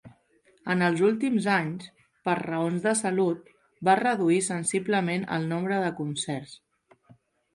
En els últims anys, per raons de salut, va reduir sensiblement el nombre de concerts.